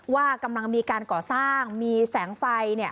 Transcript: ว่ากำลังมีการก่อสร้างมีแสงไฟ